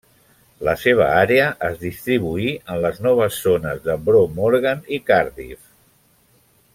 La seva àrea es distribuí en les noves zones de Bro Morgannwg i Cardiff.